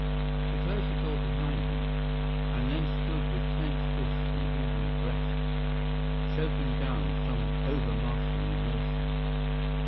He closed the door behind him, and then he stood with clenched hands and heaving breast, choking down some overmastering emotion.